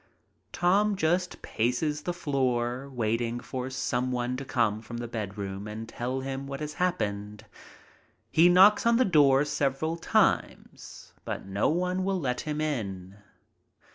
Tom just paces the floor, waiting for some one to come from the bedroom and tell him what has happened. He knocks on the door several times, but no one will let him in.